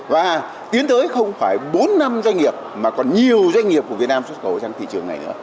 và tiến tới không phải bốn năm doanh nghiệp mà còn nhiều doanh nghiệp của việt nam xuất khẩu sang thị trường này nữa